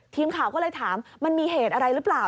ทีมข่าวก็เลยถามมันมีเหตุอะไรหรือเปล่า